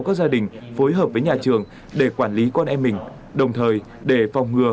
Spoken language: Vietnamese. các gia đình phối hợp với nhà trường để quản lý con em mình đồng thời để phòng ngừa